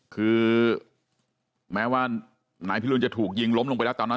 คือแม้ว่านายพิรุณจะถูกยิงล้มลงไปแล้วตอนนั้น